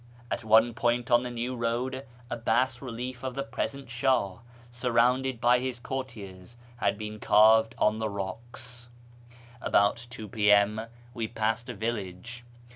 At one point on the new road a bas relief of the present Sluili, surrounded by his courtiers, has been carved on the rocks. About 2 P.M. we passed a village.